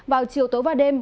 vào chiều tối và đêm